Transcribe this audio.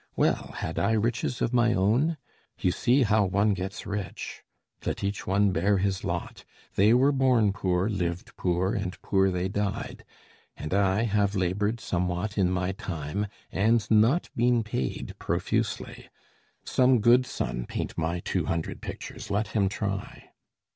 Well, had I riches of my own? you see How one gets rich! Let each one bear his lot. They were born poor, lived poor, and poor they died; And I have labored somewhat in my time And not been paid profusely. Some good son Paint my two hundred pictures let him try!